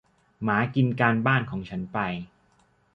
หมากินการบ้านของฉันไป